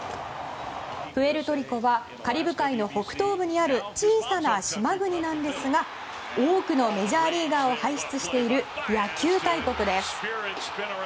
プエルトリコはカリブ海の北東部にある小さな島国なんですが多くのメジャーリーガーを排出している野球大国です。